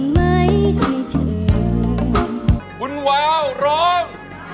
๑ล้านบาท